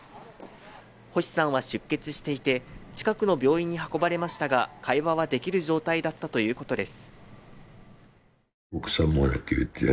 星さんは出血していて近くの病院に運ばれましたが会話はできる状態だったということです。